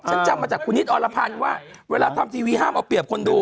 จำมาจากคุณนิดอรพันธ์ว่าเวลาทำทีวีห้ามเอาเปรียบคนดู